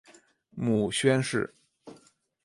母宣氏。